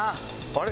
あれ？